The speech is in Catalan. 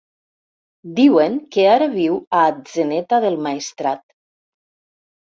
Diuen que ara viu a Atzeneta del Maestrat.